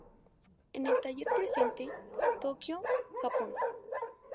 En el ""Taller Presente"", Tokio, Japón.